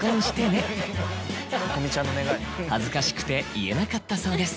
恥ずかしくて言えなかったそうです。